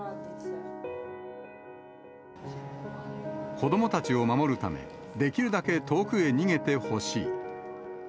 子どもたちを守るため、できるだけ遠くへ逃げてほしい。